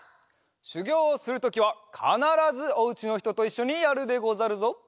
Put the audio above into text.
しゅぎょうをするときはかならずおうちのひとといっしょにやるでござるぞ。